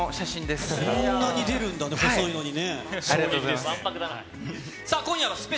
こんなに出るんだね、細いのにね。